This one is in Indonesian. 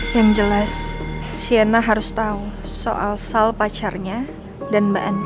yang jelas sienna harus tahu soal sal pacarnya dan mbak andi